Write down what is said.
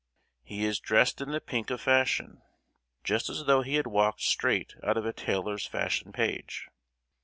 He is dressed in the pink of fashion, just as though he had walked straight out of a tailor's fashion page.